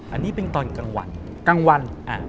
อันนี้เป็นตอนกลางวัน